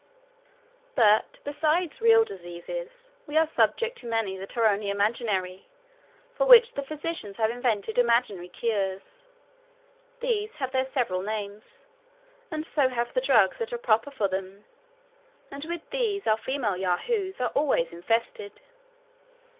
"But, besides real diseases, we are subject to many that are only imaginary, for which the physicians have invented imaginary cures; these have their several names, and so have the drugs that are proper for them; and with these our female Yahoos are always infested.